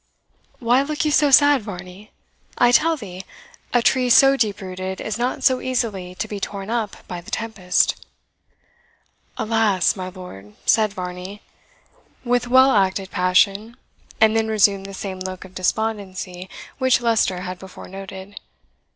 Why look you so sad, Varney? I tell thee, a tree so deep rooted is not so easily to be torn up by the tempest." "Alas! my lord," said Varney, with well acted passion, and then resumed the same look of despondency which Leicester had before noted.